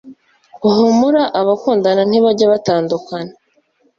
Humura abakundana ntibajya batandukana!